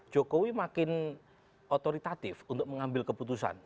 jokowi makin otoritatif untuk mengambil keputusan